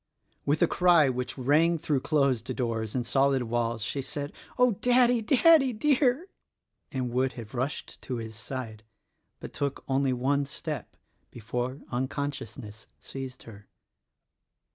With a cry which rang through closed doors and solid walls she said, "Oh, Daddy, Daddy, dear!" and would have rushed to his side; but took only one step before uncon sciousness seized her.